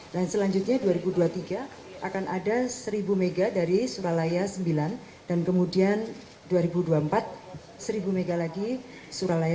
dan selanjutnya dua ribu dua puluh tiga akan ada seribu mega dari suralaya sembilan dan kemudian dua ribu dua puluh empat seribu mega lagi suralaya sepuluh